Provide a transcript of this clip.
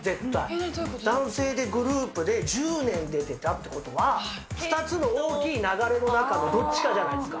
男性でグループで１０年出てたってことは、２つの大きい流れの中のどっちかじゃないですか。